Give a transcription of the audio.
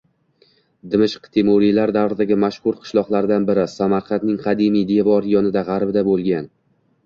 Dimishq – Temuriylar davridagi mashhur qishloqlardan biri. Samarqandning qadimiy devori yonida, g‘arbida bo‘lgan.